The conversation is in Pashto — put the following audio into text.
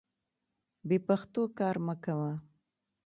بې پښتو کار مه کوه.